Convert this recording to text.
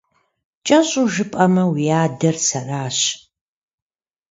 КӀэщӀу жыпӀэмэ, уи адэр сэращ…